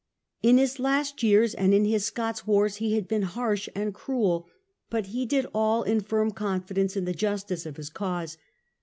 In his later years and in his Scots wars he had been harsh and cruel, but he did all in firm confidence in the justice of his cause.